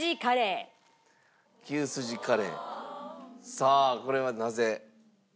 さあこれはなぜ？